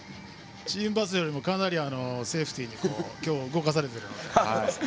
チームバスよりもかなりセーフティーに今日、動かされたので。